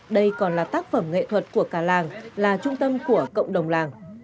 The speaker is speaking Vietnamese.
đây còn là tác phẩm nghệ thuật của cả làng là trung tâm của cộng đồng làng